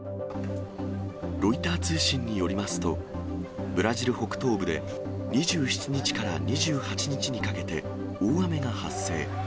ロイター通信によりますと、ブラジル北東部で２７日から２８日にかけて、大雨が発生。